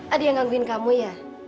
ada yang ngangguin kamu ya